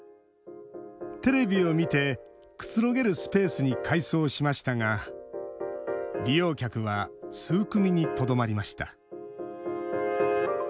テレビを見てくつろげるスペースに改装しましたが利用客は数組にとどまりました。